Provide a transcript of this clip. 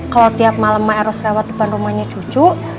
kalau tiap malam harus lewat depan rumahnya cucu